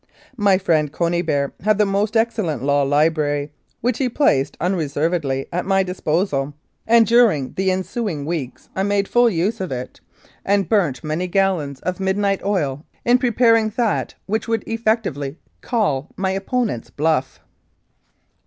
My friend Conybeare had a most excellent law library, which he placed unreservedly at my disposal, and during the ensuing weeks I made full use of it, and 136 Mounted Police Law burnt many gallons of midnight oil in preparing that which would effectively " call " my opponent's "bluff."